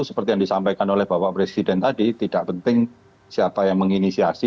seperti yang disampaikan oleh bapak presiden tadi tidak penting siapa yang menginisiasi